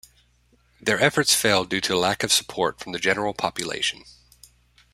Their efforts failed due to lack of support from the general population.